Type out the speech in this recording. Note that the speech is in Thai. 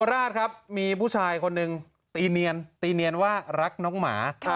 ราชครับมีผู้ชายคนหนึ่งตีเนียนตีเนียนว่ารักน้องหมา